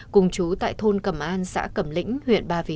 cùng chú tại thôn cầm an xã cầm lĩnh huyện ba vì